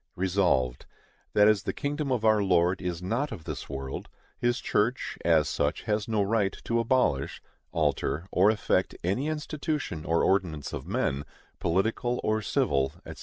Resolved, That as the kingdom of our Lord is not of this world, His church, as such, has no right to abolish, alter, or affect any institution or ordinance of men, political or civil, &c.